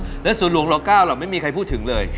แล้วสวนหลวงร๙ล่ะไม่มีใครพูดถึงเลย